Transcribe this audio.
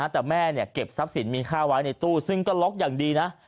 แต่แม่เก็บทรัพย์สินมีค่าไว้ในตู้ซึ่งก็ล็อกอย่างดีนะ